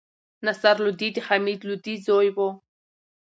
نصر لودي د حمید لودي زوی وو.